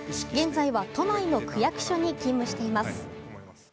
現在は、都内の区役所に勤務しています。